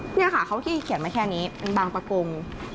นี่ค่ะเขาเขียนมาแค่นี้บางประกง